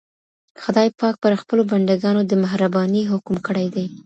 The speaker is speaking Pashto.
خدای پاک پر خپلو بندګانو د مهربانۍ حکم کړی دی.